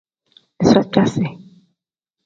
Iza caasi.